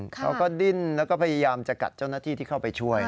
เขาก็ดิ้นแล้วก็พยายามจะกัดเจ้าหน้าที่ที่เข้าไปช่วย